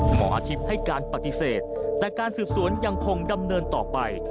หมออาทิตย์ให้การปฏิเสธแต่การสืบสวนยังคงดำเนินต่อไป